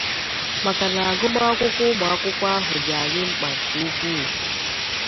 maka na agụmakwụkwọ ụmụakwụkwọ ahụ dị anyị mkpa nke ukwuu